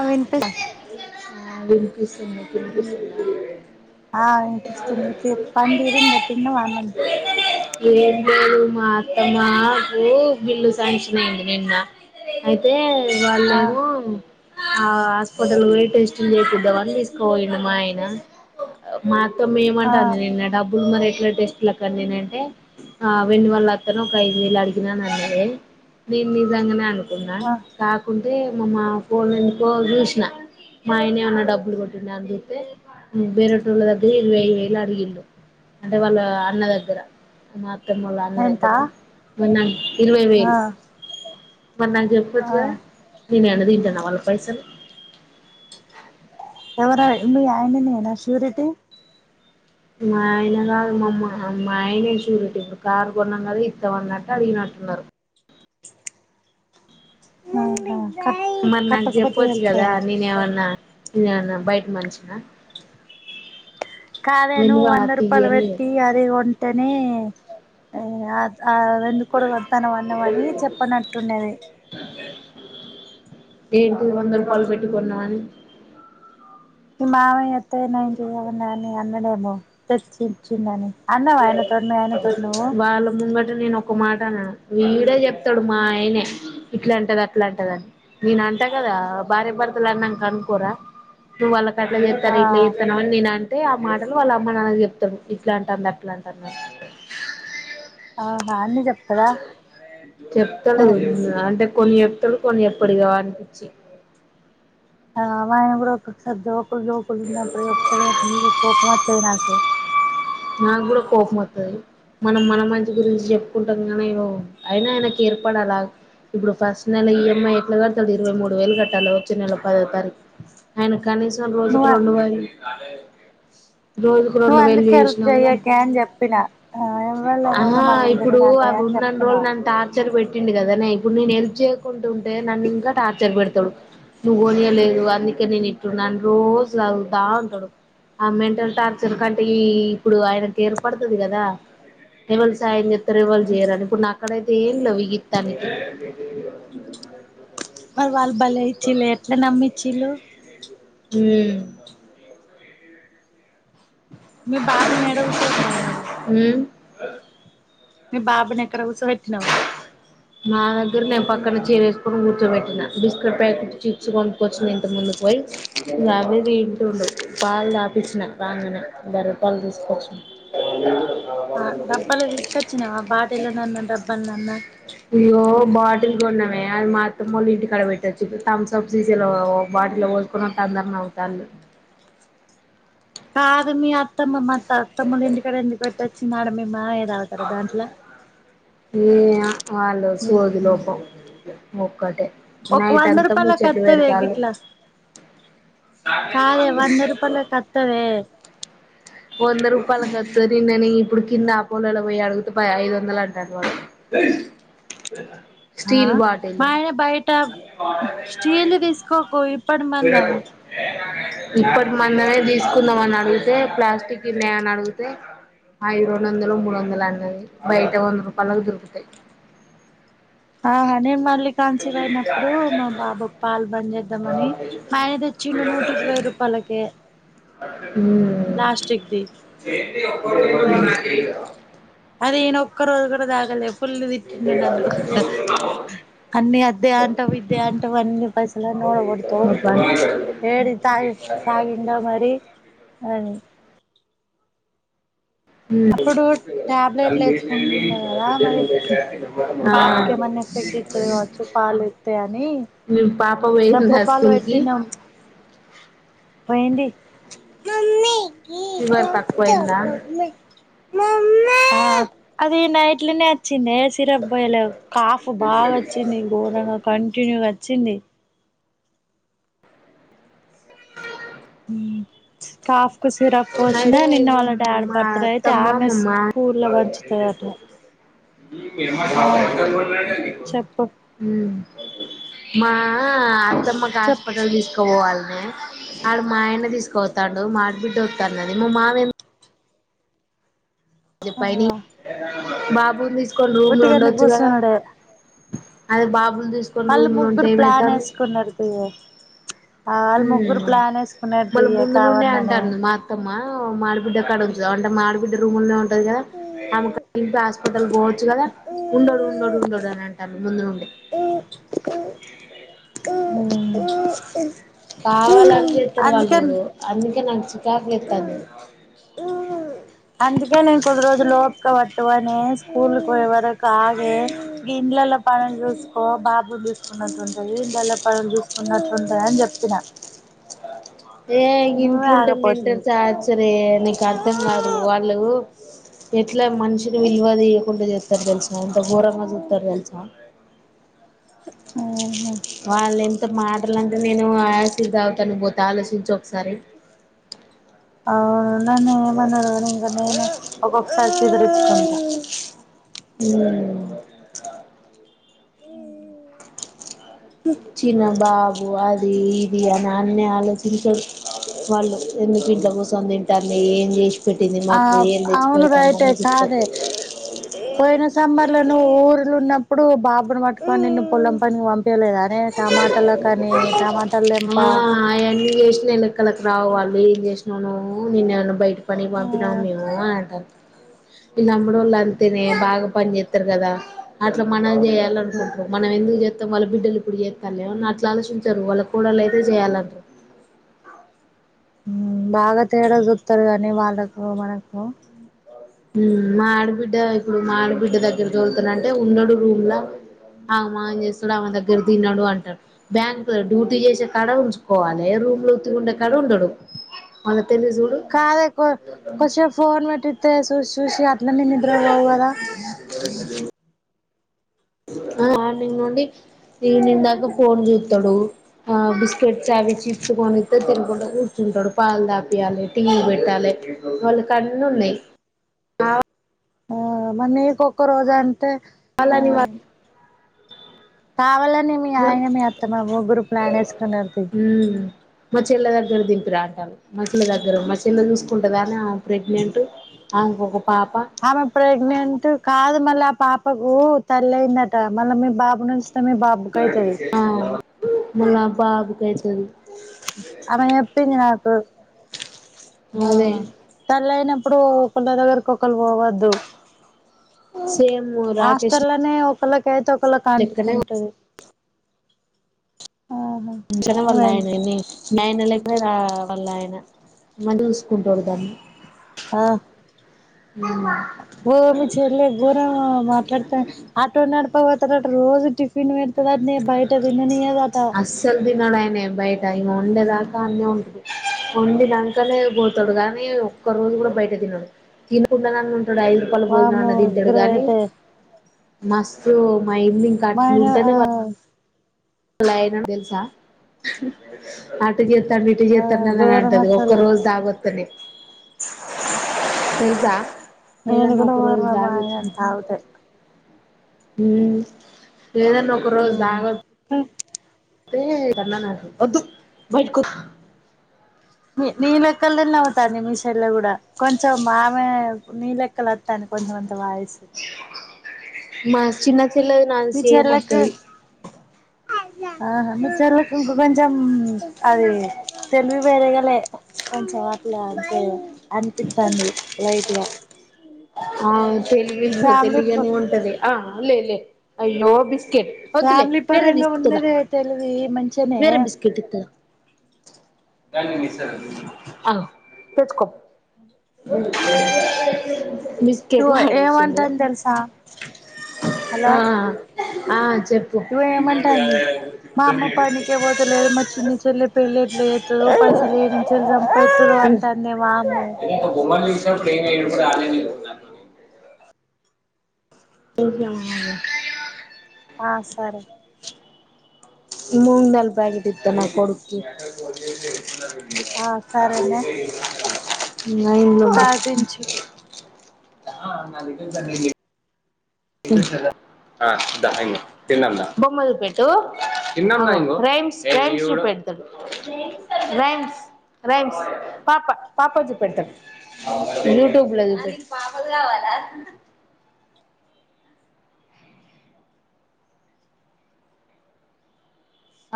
అ వెనుంత వినిపిస్తు వినిపిస్తు [unintelligible] ఏం లేదు మా అత్తమ్మ బిల్లు సంచినయింది నిన్న అయితే వాల్ ఆ ఆ హాస్పిటల్ టెస్టింగ్ చేసిద్దామని తీసుకోండి మా ఆయన మా మొత్తం ఆ ఏమంటాంది నిన్న డబ్బులు మరి బ్లడ్ టెస్ట్ క్కేంటే ఆ వెండు వాళ్ళు అక్కాను ఒక ఐదు వేలు అడిగినని అన్నా నేను నిజంగానే అనుకును న్నా ఆ కాకుంట అే మమ పోననుకో చూసిన మా ఆయనే ఉన్న డబ్బులు కొట్టిన అని చూస్తే బేరేటూళ్ళ దగ్గర వెయ్యి వేలు అడిగిళ్ళు అంటే వాళ్ళ అన్న దగ్గర మా త్తమలాన్న దగ్గర ఏంటా మ ఇరవై ఆ వేలు మరి నాకు ఆ చెప్పొచ్చుగా తిను అన్న తింటన వాళ పైసలు ఎవరా మీ ఆయననేనా శిూరిటి మా ఆయన కాదు మా మ్మ మా ఆయన శురీటి, ఇప్పుడు కారు కొన్నాం కద ఇస్తామన్నట్టు అడిగినట్టున్నారు. అవునా మరి నాక్ జెప్పచ్చు కదా నేను ఎమన్నా నన్న బయట మనిషినా కాదే నువ్ ఎందుకు అలా వంద రూపాయలు తీయని పెట్టి అది కొంటనే ఆ ఆ ఎందు కోడ్ వడ్ తానా వన్న అన్నవని చెప్పనట్టుండది ఏంటి వంద రూపాల్ పెట్టికొన్నా అని మీ మామయ్య, అత్తయ్య నీ [unintelligible] అన్నడేమో చర్చించిందని. అన్నవా ఆయన తోడ్ ను ఆయన తోట్ నువ్వు వాళ్ళ ముంగట నేను ఒక మాట నా వీడే చెప్తడు, మా ఆయనే ఇట్లా అంటది అట్లా అంటదని, నేను అంటా కదా భార్యభర్తలు అన్నా కనుకోరా నువ్వు వాళ్ళ. అట్లా ఆ చేస్తార్, ఇట్లా చేస్తాన్నాంని నేన్ అన్. అంటే ఆ మాటలు వాళ్ళ అమ్మ నాన్నకు చెప్తడు ఇట్లాంటాది అట్ అట్లాంటర్ న్ ఆహా అన్ని జప్ చెప్తడు అంటే కొన్ని చెప్తడు కొన్ని చెప్పడు ఇగ వాన్ పిచ్చి ఆ వాయన గూడ ఒక్కొక్కసారి జోక్ కుల్ జోకుల్ జోకుల్ ఉన్నప్పుడు చెప్తడే మీర్ కోపం త్ తది నాకు నాకు కూడా కోపం వత్తది. మనం మన మంచి గురించి చెప్పుకుంటాం కానీ, అయినా ఆయనకు ఏర్పడలా ఇప్పుడు ఫస్ట్ నెల ఈఎంఐ ఎట్లా కడతడు ఇరవై మూడు వేలు కట్టాలి వచ్చే నెల పదవ తారీఖు ఆయన. కనీసం రోజుకు నువ్వు రెండువయిల్ నాల రోజుకు రెండు వేల్ జేస్ చెయ్యాకే అని చెప్పినా ఆ ఎవ్వళ రోగం ఆహా వాళ్ళక్ ఇప్పుడు తెలీదా నే అని చెప్పినా ట్టిండు కదనే ఇప్పుడు నేను హెల్ చేయకుంటుం వే నన్ను ఇంకా టార్చర్ పెడ్ త్తడ్ నువ్ గోనియాలేదు, అందుకే నేను ఇట్టున్నా అని రోజు తాగుతా ఉంటడు, ఆ మెంటల్ టార్చర్ కంటే ఈ. ఇప్పుడు ఆయనకి ఏర్పడుతది కదా ఎవల్ సాయం జెత్ రెవల్ చేయరని ఇప్పుడు నాక్కడైతే ఈ ఇన్నవ్ ఇ గిత్తా నికి మరి వాళ్ బలే ఇచ్చల్లె ఎట్లా నమ్మి ఇచ్చిళ్ళు హ్మ్ మీ బాబు ని ఏడ కుసావెట్టినవ్ మరి అ మీ బాబునెక్కడ కూర్చో బెట్టినావ్ నా దగ్గర నేను పక్కన చీర వేసుకొని కూర్చోబెట్టిన బిస్కెట్ ప్యాకెట్ చిప్స్ కొంపుకొచ్చిను ఇంత ముందు పోయి ఇగ అవే తింటుండు పాలు దాపిచ్చిన రాంగనే బర్రె పాలు తీసుకొచ్చిన ఆ డబ్బాలో ధిస్కచ్చిన ఆ బాటిల్ ఎలా నన్న డబ్బ పన్నన్న ఇయ్యొ బాటిల్కిన్నామే అది మ అత్తమ్మ మొల్ల ఇంటి కడ పెట్టొచ్చుప్పు థమ్స్ అప్ సీజన్ బాటిల్ పోసుకున్న తందరని అవతా కాదుమి అత్తమ్ మ తతములు ఇంటికడ ఎందుకు పెట్టచ్చు చిన్నాడ మీ మేమా ఏ వాళ్ళు సోదు లోపం ఒక్కటే ఒక నైట్ వంద అంతా రూపాయలకు ముూచ్చట్ అత్తదే పెడతళ గిట్లా కాదే వంద రూపాయలకి అత్తదే వంద రూపాయల ఖర్చు నిన్ననే ఇప్పుడు కింద ఆపోలలో పోయి అడుగుతే ఐదు వందలు అంటారు వాళ్ళు ఆ మా ఆయన బయట స్టీల్ తీసుకోకు ఇప్పటి మందం ఇప్పటి మందమే తీసుకుందాం అని అడిగితే ప్లాస్టిక్ టిగిన్న అ ని అడిగితే ఐదు రెండు వందలు మూడు వందలు అన్నది బయట వంద రూపాయలకు దొరుకుతాయి ఆ హనేేమ్ మల్ కాంచివ్ అయినప్పుడు మా బాబా పాలు బంద చేద్దాంమని మానేది తేచ్చిండు నూట ఇరవై రూపాయలక మ్మ్ ప్లాస్టిక్ ది ఇ అది ఇనా ఒక్క రోజు కూడా దాగలే పుల్లు తిట్టిండు నన్ను అన్ని అద్దే అంట ఇద్దే అంట టువనిం పైసల నోడ కొతవు ఏడి తగి తాగింద మరి అని ఉమ్ అప్పుడు టాబ్లెట్లు వేసుకున్నా కదా మరి బాబుకి ఆ ఏమన్నా ఎఫెక్ట్ ఇత్తది కావచ్చు పాలు ఇత్తే అని మేం పాప్ డబ్బా పోయిదా పాలు స్కూల్కి పెట్టినం పోయింది ఫీవర్ తక్కువ అయిదా అది నైట్లేనే అర్చి చట్టి నయా సిరప్ పొయ్యలేవ్ కాఫ్ బాగా వచ్చింది ఘోరంగా కంటిన్యూగా చింది ఉమ్ కాఫ్ ఉక్కు సిరా అయితే పోసిన నిన్న వాళ్ళ మా డాడీ మా బర్త్డే అయితే అత్తమ్మ ఆమె మా మా స్కూల్ల్లో పంచుతదటా చెప్పు ఉమ్ మా త్తమ్మకు చెప్పు హస్పిటల్ తీసుకోపోవాల్ ఆడ మా ఆయనే తీసుకతాడు మా ఆడి బిడ్డ ఓ న్నది మ మామే జె ఆ పైని బాబున తీసు కొన్ని రూమ్లు ఉట్టిగనే ఉండొచ్చు కదా కూసునుడే అది బాబు వాళ్ళు ముగ్గురు ప్లాన్ వెసుకున్నరు తియే ఆ వాళ్ళు ఉమ్ ముగ్గురు ప్లాన్ వేసుకున్నారు తియ్య కావాలని ఆ మా అడిబిడ్డ కాడ ఉంచుదాం అంటే మాడిబిడ్డ రూమ్ లే ఊ ఉంటది గా నమ్మక దింపి హాస్పిటల్ కి పోవచ్చు కదా ఉండడు ఉండడు ఉండడు అని అంటాది ముందు నుండి [inaudible] కావాలనే చేస్తారు వాళ్ళు అందుకని అందుకే నాకు చికాకు లేతంది అందుకే నేను కొద్ది ఓపిక పట్టువనే స్కూల్ పోయేవరకు కాదే గి ఇండ్ల పనులు చూసుకో బాబు ను చూసుకో చూసుకున్నట్టుంటది ఇండ్ల పనులు చూసుకున్నట్టు ఉంటది అని చెప్పిన ఏ ఇగ నువ్వే ఇంట్లో ఉంటే మెంటల్ ఆగపోతివి టార్చర్ రే నీకు అర్థం కాదు వాళ్ళు ఎట్లా మనిషిని విలువదయకుండా చేస్తారు తెలుసా ఎంత గోరంగా చూస్తారు తెలుసా ఉహు వాళ్లు ఎం ఉత్త మాటలంటే నేను ఆసిడ్ తాగుతానికి పోతే ఆలోచించి ఒకసారి అవును నన్ను ఏమన్నారు కానీ ఇంకా నేనే ఒక్కొక్కసారి చిదిరించుకుంటా ఊ చిన్న బాబు అది అది ఇది అని అన్ని ఆలోచించే వాళ్ళ ఎన్ని ఎందుకు ఇంట్ల కూసు కూసోని తింటోంది ఏం చేసి పెట్టింది ఆ మాకు ఏం తెచ్చి అవును రైటే పెడతాందాని కాదే చెప్ప పోయిన సమ్మర్ నువ్వు ఊర్లు ఉన్నప్పుడు బాబుని పట్టుకని నిన్ను పొలం పనికి పంపియలేదని అనేే టమాట ఆ ఆయన్ని చేసినవి లెక్కలకు రావు వాళ్లు ఏం చేసినా మీ నాన్న బయటికి పని కి పంపిన మా మేము అని అంటుంది ఈ లంబడోళ్లు అంతేనే బాగా పని చేస్తారు కదా అట్లా మనం చేయాలి అనుకుంటారు మనం ఎందుకు చేస్తాం వాళ్ల బిడ్డలు ఇప్పుడు చేస్తా లేమన్నా ఆ ఆలోచించారు వాళ్ళ కూడాళ్ళ అయితే చేయాలంట బాగా తేడా చూస్తారు కానీ వాళ్ళకు మనకు మా ఆడబిడ్డ ఇప్పుడు మా ఆడబిడ్డ దగ్గర చదురుతున్నాంటే ఉండడు రూమ్ లో ఆ మాం చేస్తాడు ఆమెన దగ్గర తిన్నాడు అంటాడు బ్యాంక్ లో డ్యూటీ చేసే కాడ ఉంచుకోవాలి రూమ్ లో తి ఉండే కాడ ఉండడు తెలివి చూడు కాదే కొష ఫోన్ పెట్టి మ శుష సూషి అట్లానే నిద్ర పోవు కదా ఆ మార్నింగ్ నుండి ఈవినింగ్ దాకా ఫోన్ చూస్తాడు ఆ బిస్కెట్స్ అవి చిప్స్ కొనిస్త తినకుంటడా కూర్చుంటాడు పాలు దాపియాలి టీవీ పెట్టాలి వాళ్ళకన్నీ ఉన్నాయి ఆ మన కొ ఒక్కరోజు ఆ వాళ్ళని కావళ్ళ మీ వాళ్ళు ఆయన మీ అత్తమా ముగ్గురు ప్లాన్ వేసుకున్నారుది మ్మ్ మా చెల్లె దగ్గర దింపి రాలి మచ్చల దగ్గర మలు చూసుకుంటే కాని ఆ ప్రెగ్నెంట్ ఆ ఆమె ప్రెగ్నెంట్ కాదు మళ్ళీ ఆ పాపకు తల్లి అయిందట మళ్ళా మీ బాబు నుంచి మీబాబు కైతది మలా బాబు కే అను ఎప్పంది ఆ అదే తలన ఇప్పుడు కొండ దగ్గరకిక్కళ పోవద్దు [unintelligible] రాకేష్ హాస్టెల్నే ఒకలా లెక్కనే కాంటుకుంటుది ంచన వల్ల ఏమైంది అనీ మైనలక్కడ రా వల్ల ఆయన మ చూసుకుంటూడు దాన్ని ఆ ఓ మీ చెల్ గోర మాట్లాడతా ఆటో నడపావ త రజు టిఫిన్ వ ఇదాన్న బయటదిన్న నదాటా తినడుయనే బయట ఇంక వండేదాకా అన్న ఉంటది వండి దాకనే పోతాడు కానీ ఒక్క రోజు కూడా బయట తినడు తినకుండా ఉ డు ఐదు రూపాయలు భోజన వామ్మో అన దిచాడు కాగానీ గ్రేటే మస్తు మా ఇల్ ఇక మా ఆయన అట్లుంటే ఆ వా అలా తెసా ఇ చేస్తాను ఇటు ఆ చేస్తానుని అని ఘోరం అంటది ఒక్క అసలు రోజు తాగ తెలుసా నేను ఏదన్నా కూడా ఒక వార రోజు వారం బాగా తాగుతే హ్మ్ ఏదన్నా ఒక రోజు ఉమ్ దావత్ మే కన్నానా వద్దు బయటకు వద్దు మీ నీనా కుక్కల్ తిన్నా అవుతా నిమిషల్లా కూడా కొంచెం ఆమె నీ లెక్కలు వత్తాది కొంచెమంత వాయిస్ మాస్ చిన్నగ్ చెల్లది నాది మీ సేమ్ చెల్లెకు వత్తది ఆహా మా చెల్లెకు ఇంక కొంచెం అది తెలివి వేరేగాలే కొంచెం అట్లా అంటే అనిపితాంది లైట్ గా ఆ తెలవి ఫ్యామిలీ తెలవి గానే ఉంటది ఆ లే లే అయ్యో బిసు ఫ్యామిలీ పరంగా ఉన్నదే తెలివి మం వేరే బిస్కెట్ ఇట్ తెచ్చుకో బిస్కెట్ వడేసిండు ఏమంటాంది తెలుసా హలో ఆ ఆచు చెప్పు ఇగో ఇగ పోతలేదు మా చిన్న చెల్లె పెళ్లి ఎట్లా చేస్తదో పైసలు ఏ నుంచి సంపాదిస్తాదో అంటాందే వామ్మో స ప్రేమ [unintelligible] ఇంకా ఎం అనాలి ఆ సరే మూంగ్ దళ్ ప్యాకెట్ ఇత్త నా కొడుకి ఆ సరేనే నాయ్దో తాపించు నా ద కు [unintelligible] బొమ్మ చూపెట్టు రైమ్స్ రైమ్స్ చూపెడుతాడు రైమ్స్ రైమ్స్ పాప పాప చూపెడుతాడు యూ ట్యూబ్ లో చూపెట్టు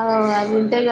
ఆ అవి ఉంటేగా